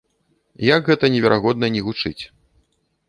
Як гэта неверагодна ні гучыць.